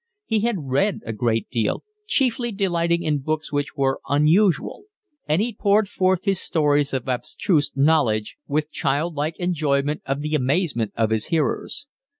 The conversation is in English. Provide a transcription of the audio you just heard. He had read a great deal, chiefly delighting in books which were unusual; and he poured forth his stores of abstruse knowledge with child like enjoyment of the amazement of his hearers.